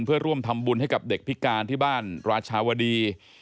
เพื่อร่วมทำบุญให้กับเด็กพิการที่บ้านราชาวดี